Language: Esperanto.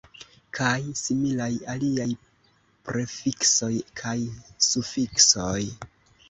Kaj similaj aliaj prefiksoj kaj sufiksoj.